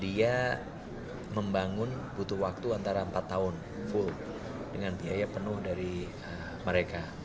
dia membangun butuh waktu antara empat tahun full dengan biaya penuh dari mereka